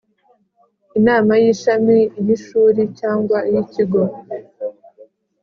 Inama y ishami iy ishuri cyangwa iy ikigo